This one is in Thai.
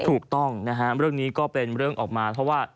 ถูกต้องนะฮะเรื่องนี้ก็เป็นเรื่องออกมาเพราะว่า